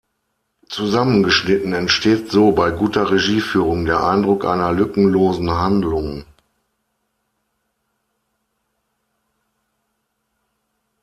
Zusammengeschnitten entsteht so bei guter Regieführung der Eindruck einer lückenlosen Handlung.